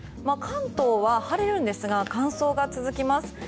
関東は晴れるんですが乾燥が続きます。